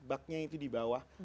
bugnya itu di bawah